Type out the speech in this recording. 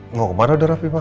ngomong kemana udah raffi mbak